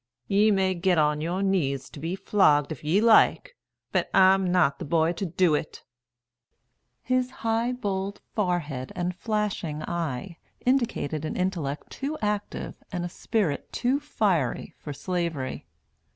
Ye may get on your knees to be flogged, if ye like; but I'm not the boy to do it." His high, bold forehead and flashing eye indicated an intellect too active, and a spirit too fiery, for Slavery.